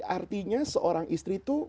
artinya seorang istri itu